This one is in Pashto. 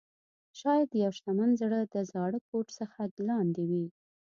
شاید یو شتمن زړه د زاړه کوټ څخه لاندې وي.